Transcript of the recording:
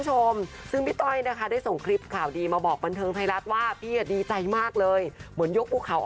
จะเดินทางไปโชว์ต่างประเทศแล้วนะคะ